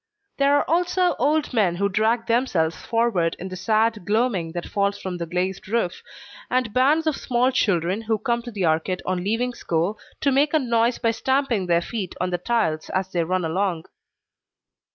There are also old men who drag themselves forward in the sad gloaming that falls from the glazed roof, and bands of small children who come to the arcade on leaving school, to make a noise by stamping their feet on the tiles as they run along.